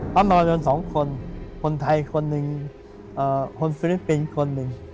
เขานอนกันสองคนคนไทยคนหนึ่งคนฟิลิปปินส์คนหนึ่ง